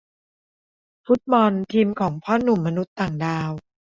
ฟุตบอล ทีมของพ่อหนุ่มมนุษย์ต่างดาว